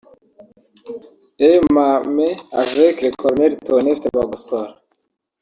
et même avec le colonel Theoneste Bagosora